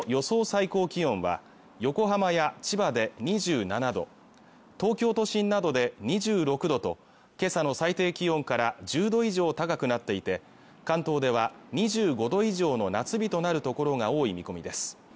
最高気温は横浜や千葉で２７度東京都心などで２６度とけさの最低気温から１０度以上高くなっていて関東では２５度以上の夏日となる所が多い見込みです